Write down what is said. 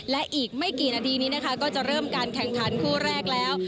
และอีกไม่กี่นาทีนี้นะคะก็จะเริ่มการแข่งขันคู่แรกแล้ว